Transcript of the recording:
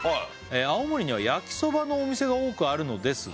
「青森には焼きそばのお店が多くあるのですが」